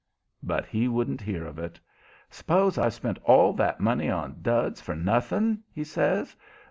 But he wouldn't hear of it. "S'pose I've spent all that money on duds for nothing?" he says.